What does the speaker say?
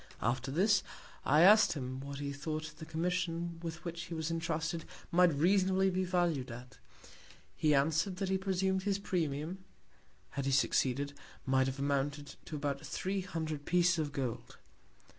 After this, I ask'd him what he thought the Commission with which he was entrusted, might reasonably be valued at; he answer'd, that he presum'd his Premium (had he succeeded) might have amounted to about three Hundred Pieces of Gold.